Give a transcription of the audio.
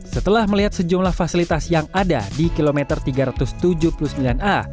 setelah melihat sejumlah fasilitas yang ada di kilometer tiga ratus tujuh puluh sembilan a